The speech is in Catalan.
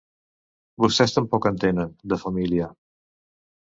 Vostès tampoc en tenen, de familia.